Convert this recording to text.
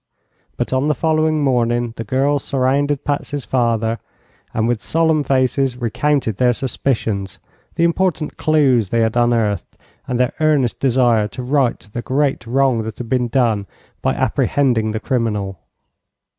But on the following morning the girls surrounded Patsy's father and with solemn faces recounted their suspicions, the important clues they had unearthed, and their earnest desire to right the great wrong that had been done by apprehending the criminal.